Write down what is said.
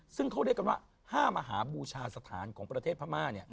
ซึ่งเขาเรียกกันว่า๕มหาบูชาสถานของประเทศพม่า